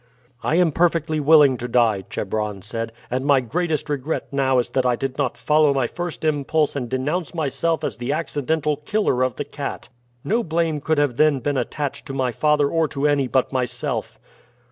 "I am perfectly willing to die," Chebron said; "and my greatest regret now is that I did not follow my first impulse and denounce myself as the accidental killer of the cat. No blame could have then been attached to my father or to any but myself."